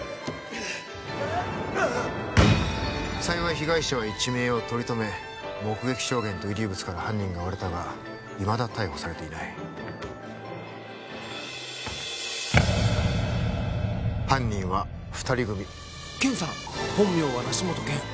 幸い被害者は一命を取り留め目撃証言と遺留物から犯人が割れたがいまだ逮捕されていない犯人は二人組ケンさん本名は梨本健